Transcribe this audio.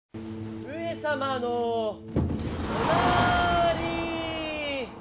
上様のおなーりー！